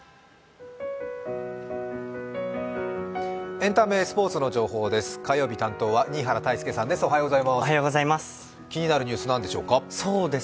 エンタメ・スポーツの情報です。